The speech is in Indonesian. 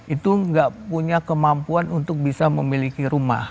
itu nggak punya kemampuan untuk bisa memiliki rumah